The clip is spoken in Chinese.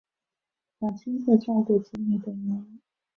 想亲自照顾子女等原因